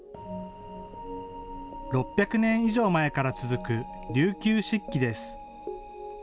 ６００年以上前から続く琉球漆器です。